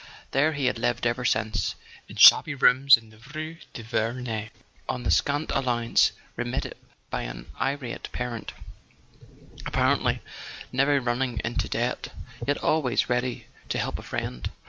There he had lived ever since, in shabby rooms in the rue de Verneuil, on the scant allowance remitted by an irate parent: apparently never running into debt, yet always ready to help a friend.